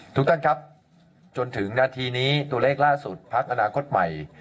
ทุกท่านครับจนถึงนาทีนี้ตัวเลขล่าสุดพักอนาคตใหม่